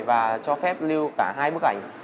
và cho phép lưu cả hai bức ảnh